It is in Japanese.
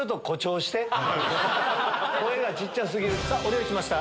お料理きました